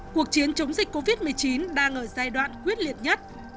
cuộc chiến chống dịch covid một mươi chín đang ở giai đoạn quyết liệt nhất